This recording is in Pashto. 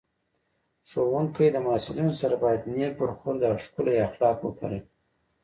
ښوونکی د محصلینو سره باید نېک برخورد او ښکلي اخلاق وکاروي